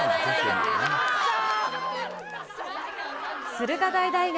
駿河台大学。